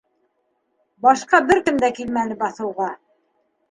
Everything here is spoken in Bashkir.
Башҡа бер кем дә килмәне баҫыуға.